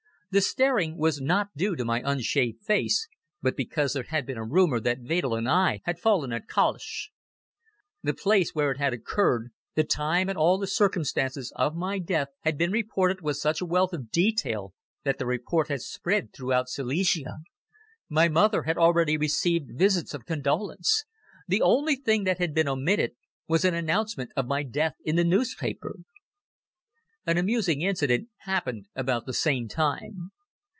The staring was not due to my unshaved face, but because there had been a rumor that Wedel and I had fallen at Kalisch. The place where it had occurred, the time and all the circumstances of my death had been reported with such a wealth of detail that the report had spread throughout Silesia. My mother had already received visits of condolence. The only thing that had been omitted was an announcement of my death in the newspaper. An amusing incident happened about the same time.